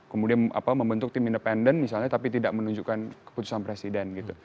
kemudian membentuk tim independen misalnya tapi tidak menunjukkan keputusan presiden gitu